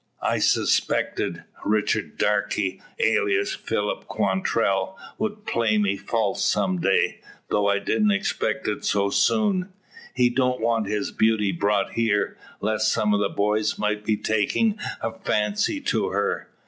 I suspected Richard Darke, alias Phil Quantrell, would play me false some day, though I didn't expect it so soon. He don't want his beauty brought here, lest some of the boys might be takin' a fancy to her.